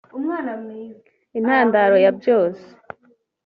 Intandaro ya byose